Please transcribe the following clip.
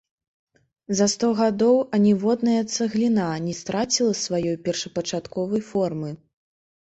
За сто гадоў аніводная цагліна не страціла сваёй першапачатковай формы.